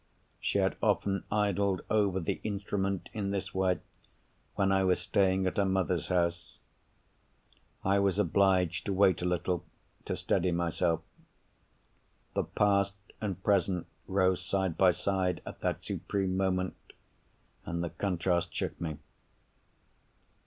She had often idled over the instrument in this way, when I was staying at her mother's house. I was obliged to wait a little, to steady myself. The past and present rose side by side, at that supreme moment—and the contrast shook me.